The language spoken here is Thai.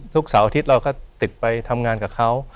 เสาร์อาทิตย์เราก็ติดไปทำงานกับเขา